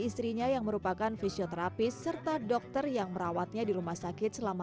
istrinya yang merupakan fisioterapis serta dokter yang merawatnya di rumah sakit selama